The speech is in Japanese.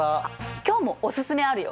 今日もおすすめあるよ。